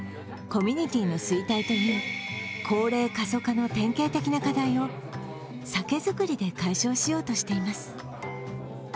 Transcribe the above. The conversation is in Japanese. コミュニティーの衰退という高齢・過疎化の典型的な課題を酒造りで解消しようとしています。